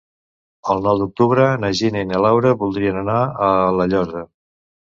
El nou d'octubre na Gina i na Laura voldrien anar a La Llosa.